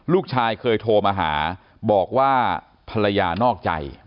ลูกชายเคยโทรมาหาบอกว่าภรรยานอกใจ